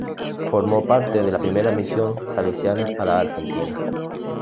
Formó parte de la primera misión salesiana a la Argentina.